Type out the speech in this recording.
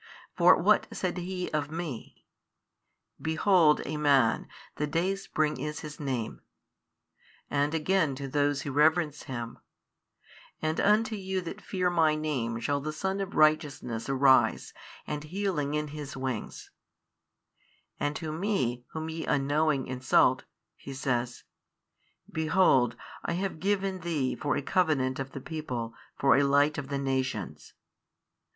For what said He of Me? Behold a Man, The Day spring His Name, and again to those who reverence Him, And unto you that fear My Name shall the Sun of righteousness arise and healing in His wings; and to Me Whom ye unknowing insult, He says, Behold I have given Thee for a Covenant of the people 19 for a light of the nations.